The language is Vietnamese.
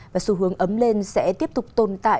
và xu hướng ấm lên sẽ tiếp tục tồn tại trong suốt thế giới